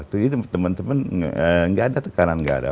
tidak ada tekanan